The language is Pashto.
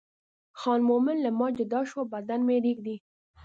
خان مومن له ما جدا شو بدن مې رېږدي.